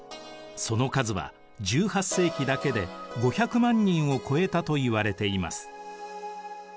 その数は１８世紀だけで５００万人を超えたといわれています。